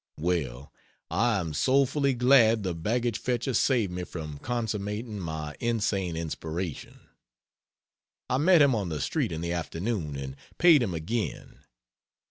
Well, I am soulfully glad the baggage fetcher saved me from consummating my insane inspiration. I met him on the street in the afternoon and paid him again.